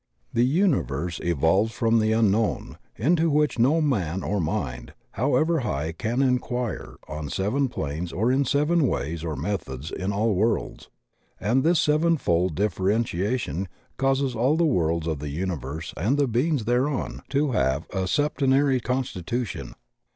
The universe evolves from the unknown, into which no man or mind, however high, can inquire, on seven planes or in seven ways or methods in all worlds, and this sevenfold dilBEerentiation causes all the worlds of the universe and the beings thereon to have a septe nary constitution.